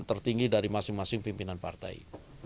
tertinggi dari masing masing pimpinan partai